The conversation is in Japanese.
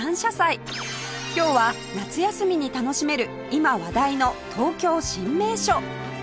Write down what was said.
今日は夏休みに楽しめる今話題の東京新名所